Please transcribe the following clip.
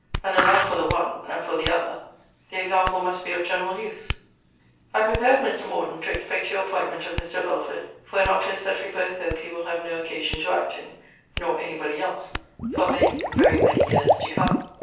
And allow for the one and for the other the example must be of general use. I prepared Mr. Morden to expect your appointment of Mr. Belford for an office that we both hope he will have no occasion to act in (nor any body else) for many, very many years to come.